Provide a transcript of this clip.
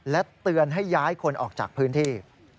และเตือนให้ย้ายคนออกจากพื้นที่